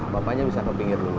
bapaknya bisa ke pinggir dulu